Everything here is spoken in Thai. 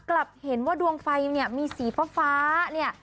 กลับเห็นว่าดวงไฟมีสีฟ้า